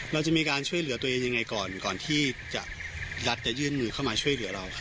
เราจะมีการช่วยเหลือตัวเองยังไงก่อนก่อนที่จะรัฐจะยื่นมือเข้ามาช่วยเหลือเรา